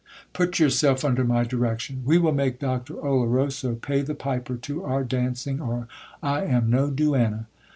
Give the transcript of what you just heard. Put yourself under my direction. We will make Doctor Oloroso pay the piper to our dancing, or I am no duenna.